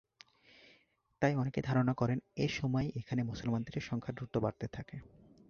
তাই অনেকে ধারণা করেন, এ সময়েই এখানে মুসলমানদের সংখ্যা দ্রুত বাড়তে থাকে।